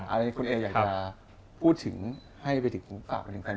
อเจมส์ตรงอันนี้คุณเอ๋อยากจะพูดถึงแฟนบอลไหนครับ